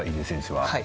はい。